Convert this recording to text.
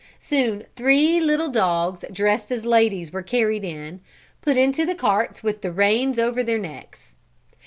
Soon three little dogs dressed as ladies were carried in, put into the carts with the reins over their necks.